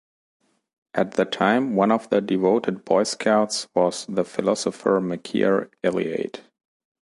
At the time, one of the devoted Boy Scouts was the philosopher Mircea Eliade.